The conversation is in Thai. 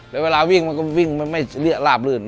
แล้วเวลาวิ่งมันก็วิ่งไม่เรื่องราบรื่น